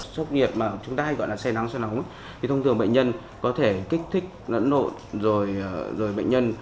sốc nhiệt mà chúng ta gọi là say nắng say nóng thì thông thường bệnh nhân có thể kích thích nẫn nộn rồi bệnh nhân